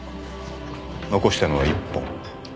残したのは１本。